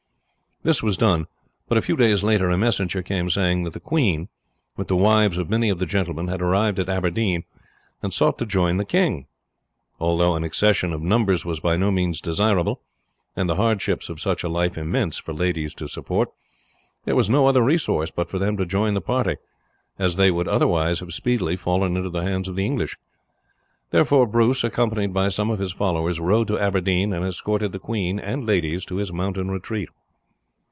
This was done; but a few days later a messenger came saying that the queen, with the wives of many of the gentlemen, had arrived at Aberdeen and sought to join the king. Although an accession of numbers was by no means desirable, and the hardships of such a life immense for ladies to support, there was no other resource but for them to join the party, as they would otherwise have speedily fallen into the hands of the English. Therefore Bruce, accompanied by some of his followers, rode to Aberdeen and escorted the queen and ladies to his mountain retreat.